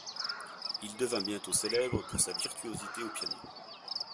Il devint bientôt célèbre pour sa virtuosité au piano.